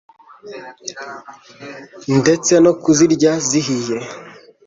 ndetse no kuzirya zihiye,